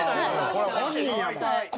これ本人やもん。